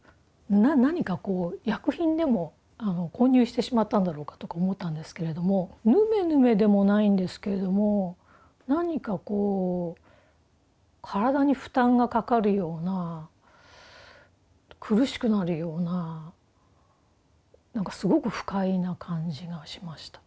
何か薬品でも混入してしまったんだろうか」とか思ったんですけれどもヌメヌメでもないんですけれども何かこう体に負担がかかるような苦しくなるような何かすごく不快な感じがしました。